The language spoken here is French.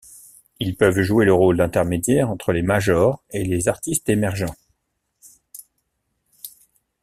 Ils peuvent jouer le rôle d'intermédiaire entre les majors et les artistes émergents.